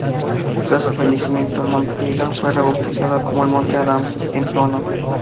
Tras su fallecimiento, el monte Ida fue rebautizado como "monte Adams" en su honor.